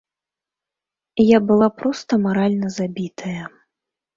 Я была проста маральна забітая.